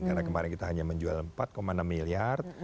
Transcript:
karena kemarin kita hanya menjual empat enam miliar